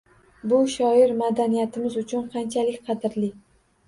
Bu shoir madaniyatimiz uchun qanchalik qadrli.